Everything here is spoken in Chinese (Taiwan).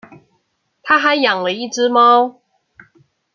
她還養了一隻貓